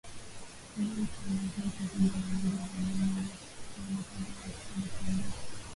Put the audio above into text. Yeye hutoa maziwa karibu na nyumba ya mama wa msichana Kabla ya msichana kuondoka